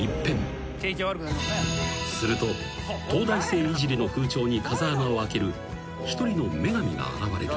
［すると東大生イジりの風潮に風穴をあける一人の女神が現れる。